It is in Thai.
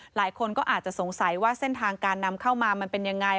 หลายคนก็อาจจะสงสัยว่าเส้นทางการนำเข้ามามันเป็นยังไง